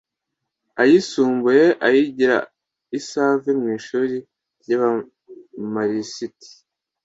ayisumbuye ayigira i Save mu ishuri ry’abamarisite